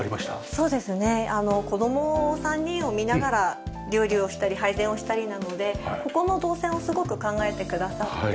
そうですねあの子供３人を見ながら料理をしたり配膳をしたりなのでここの動線をすごく考えてくださって。